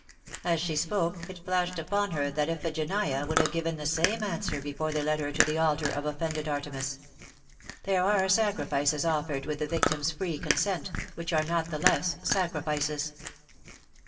As she spoke, it flashed upon her that Iphigenia would have given the same answer before they led her to the altar of offended Artemis. There are sacrifices offered with the victim^s free consent, which are not the less sacrifices.